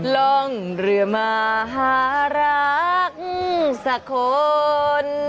ลองเรือมาหารักสะขน